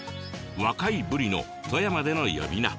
若いブリの富山での呼び名。